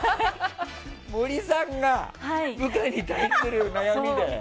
森さんが部下に対する悩みで？